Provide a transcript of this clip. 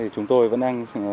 chúng tôi vẫn đang